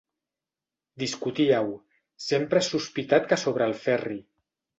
Discutíeu, sempre he sospitat que sobre el Ferri.